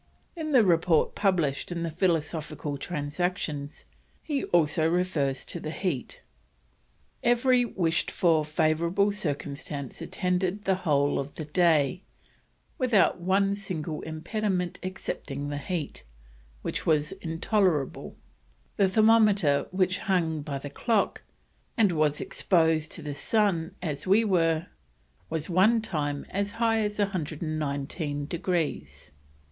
In the report published in the Philosophical Transactions he also refers to the heat: "Every wished for favourable circumstance attended the whole of the day, without one single impediment excepting the heat, which was intolerable; the thermometer which hung by the clock and was exposed to the sun, as we were, was one time as high as 119 degrees."